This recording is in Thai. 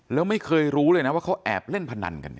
แล้วไม่เคยรู้เลยนะว่าเขาแอบเล่นพนันกัน